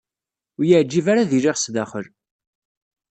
Ur y-iɛǧib ara ad iliɣ sdaxel.